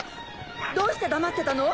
どうして黙ってたの？